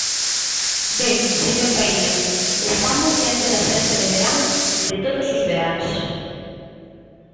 Ben, señor Paíño, estamos diante da serpe de verán de todos os veráns.